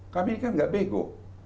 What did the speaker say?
kami kan gak bego